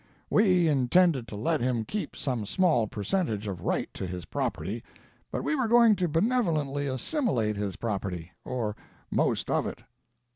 ] We intended to let him keep some small percentage of right to his property, but we were going to benevolently assimilate his property, or most of it.